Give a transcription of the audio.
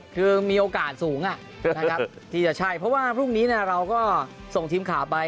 คือมีโอกาสสูงนะครับที่จะใช่เพราะว่าพรุ่งนี้เราก็ส่งทีมข่าวไป